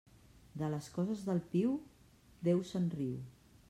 De les coses del piu, Déu se'n riu.